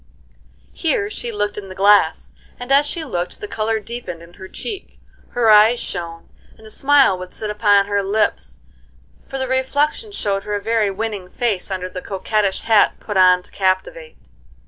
Here she looked in the glass, and as she looked the color deepened in her cheek, her eyes shone, and a smile would sit upon her lips, for the reflection showed her a very winning face under the coquettish hat put on to captivate.